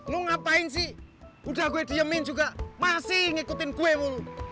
lu ngapain sih udah gue diemin juga masih ngikutin gue